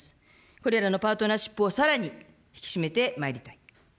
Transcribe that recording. これらのパートナーシップをさらに引き締めてまいりたい。